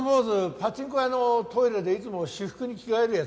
パチンコ屋のトイレでいつも私服に着替えるヤツだ。